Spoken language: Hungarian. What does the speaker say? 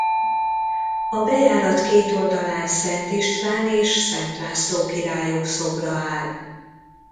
A bejárat két oldalán Szent István és Szent László királyok szobra áll.